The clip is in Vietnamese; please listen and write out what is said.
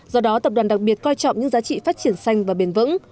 do đó tập đoàn đặc biệt coi trọng những giá trị phát triển xanh và bền vững